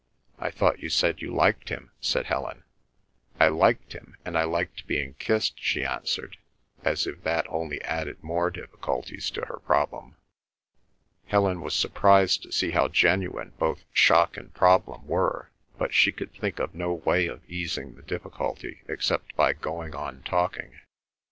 "I thought you said you liked him?" said Helen. "I liked him, and I liked being kissed," she answered, as if that only added more difficulties to her problem. Helen was surprised to see how genuine both shock and problem were, but she could think of no way of easing the difficulty except by going on talking.